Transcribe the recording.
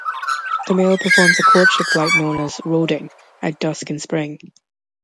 The male performs a courtship flight known as 'roding' at dusk in spring.